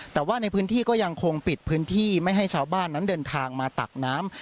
แต่ว่าในพื้นที่ก็ยังคงปิดพื้นที่ไม่ให้ชาวบ้านนั้นเดินทางมาตักน้ำ